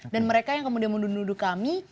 dan mereka yang kemudian menduduk kami